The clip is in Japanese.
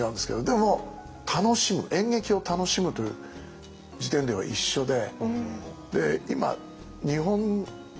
でも楽しむ演劇を楽しむという時点では一緒で。